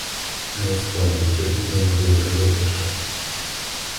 Ayiqpolvon kelib, yana do’rillay boshlabdi: